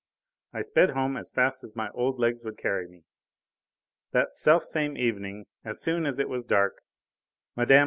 I sped home as fast as my old legs would carry me. That self same evening, as soon as it was dark, Mme.